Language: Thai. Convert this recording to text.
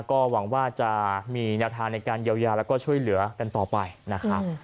ก็หวังว่าจะมีแนวทางในการเยียวยาแล้วก็ช่วยเหลือกันต่อไปนะครับ